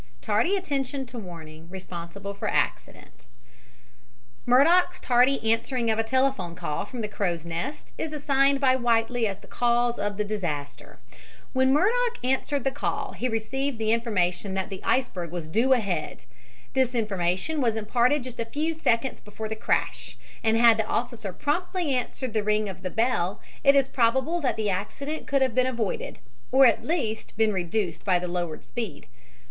TARDY ATTENTION TO WARNING RESPONSIBLE FOR ACCIDENT Murdock's tardy answering of a telephone call from the crow's nest is assigned by Whiteley as the cause of the disaster. When Murdock answered the call he received the information that the iceberg was due ahead. This information was imparted just a few seconds before the crash, and had the officer promptly answered the ring of the bell it is probable that the accident could have been avoided, or at least, been reduced by the lowered speed.